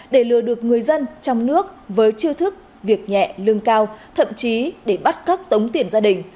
để lừa được người dân trong nước với chiêu thức việc nhẹ lương cao thậm chí để bắt cắt tống tiền gia đình